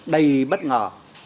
đầy bất ngờ